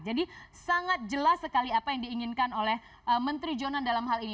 jadi sangat jelas sekali apa yang diinginkan oleh menteri jonan dalam hal ini